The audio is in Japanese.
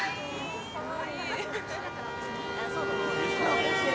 ・かわいい！